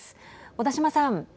小田島さん。